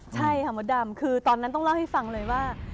ใช่ค่ะมดดำคือตอนนั้นต้องเล่าให้ฟังเลยว่า